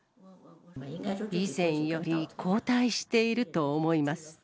以前より後退していると思います。